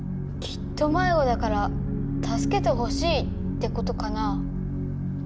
きっと迷子だからたすけてほしいってことかな。